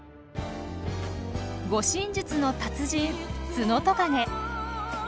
護身術の達人ツノトカゲ。